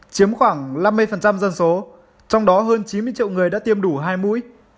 chiếm khoảng năm mươi dân số trong đó hơn chín mươi triệu người đã tiêm đủ hai mũi